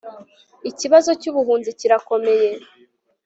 Ikibazo cyubuhunzi kirakomeye